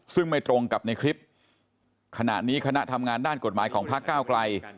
ซึ่งไม่ตรงกับในคลิปขณะนี้คณะทำงานด้านกฎหมายของพักเก้าไกล